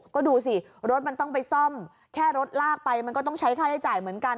ก็ดูสิรถมันต้องไปซ่อมแค่รถลากไปมันก็ต้องใช้ค่าใช้จ่ายเหมือนกัน